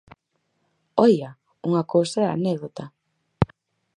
¡Oia!, unha cousa é a anécdota.